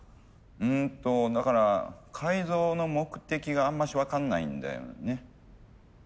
うんとだから改造の目的があんまし分かんないんだよね。